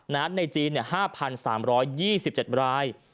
ในจีน๕๓๒๗ราย